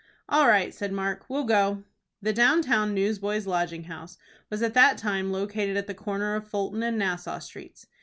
"All right," said Mark. "We'll go." The down town Newsboys' Lodging House was at that time located at the corner of Fulton and Nassau Streets.